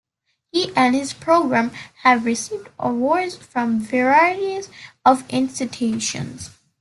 He and his program have received awards from a variety of institutions.